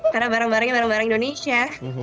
karena barang barangnya barang barang indonesia